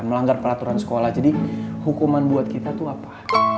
melanggar peraturan sekolah jadi hukuman buat kita itu apa